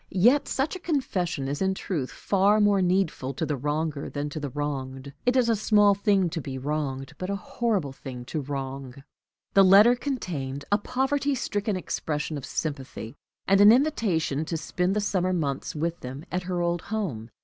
Yet such confession is in truth far more needful to the wronger than to the wronged; it is a small thing to be wronged, but a horrible thing to wrong. The letter contained a poverty stricken expression of sympathy, and an invitation to spend the summer months with them at her old home.